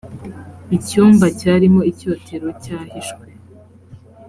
icyumba cyarimo icyotero cyahishwe